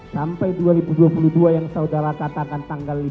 sampai dua ribu dua puluh dua yang saudara katakan tanggal lima